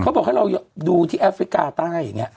บอกให้เราดูที่แอฟริกาใต้อย่างนี้